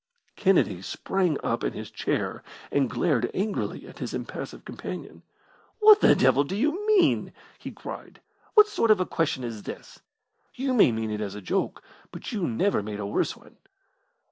Kennedy sprang up in his chair and glared angrily at his impassive companion. "What the devil do you mean?" he cried. "What sort of a question is this? You may mean it as a joke, but you never made a worse one."